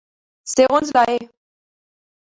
Segons la E!